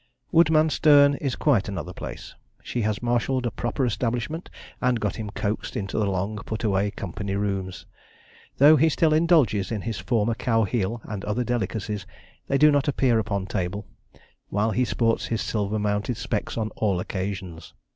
Woodmansterne is quite another place. She has marshalled a proper establishment, and got him coaxed into the long put a way company rooms. Though he still indulges in his former cow heel and other delicacies, they do not appear upon table; while he sports his silver mounted specs on all occasions.